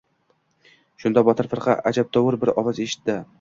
Shunda, Botir firqa ajabtovur bir ovoz eshitdi.